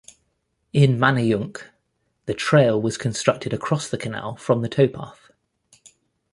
In Manayunk, the Trail was constructed across the canal from the towpath.